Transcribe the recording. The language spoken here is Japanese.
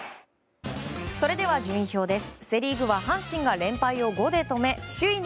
それでは順位表です。